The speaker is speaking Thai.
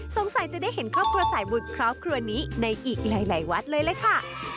จะได้เห็นครอบครัวสายบุตรครอบครัวนี้ในอีกหลายวัดเลยล่ะค่ะ